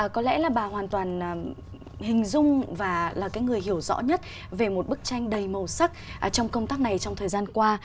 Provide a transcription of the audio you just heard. có lẽ là bà hoàn toàn hình dung và là cái người hiểu rõ nhất về một bức tranh đầy màu sắc trong công tác này trong thời gian qua